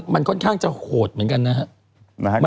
มันค่อนข้างจะโหดเหมือนกันนะครับ